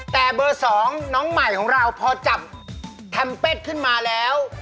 แต่เบอร์๒น้องใหม่ของเราพอจับแทมเป็ดขึ้นมาแล้ว